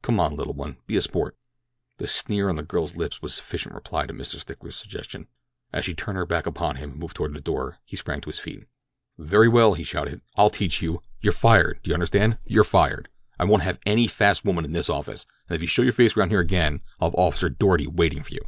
Come on, little one, be a sport!" The sneer on the girl's lip was sufficient reply to Mr. Stickler's suggestion. As she turned her back upon him and moved toward the door he sprang to his feet. "Very well," he shouted, "I'll teach you. You're fired—do you understand? You're fired. I won't have any fast woman in this office, and if you show your face around here again I'll have Officer Doarty waiting for you."